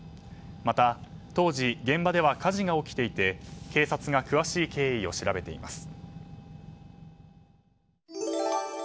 また、当時現場では火事が起きていて警察が詳しい経緯を調べています。